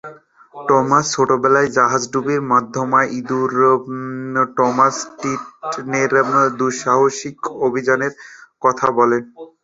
Thomas ছোট বেলায় জাহাজডুবির মধ্যমা ইঁদুর টমাস ট্রিটনের দুঃসাহসিক অভিযানের কথা বলেন।